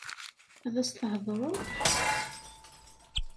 Ad as-theḍṛeḍ?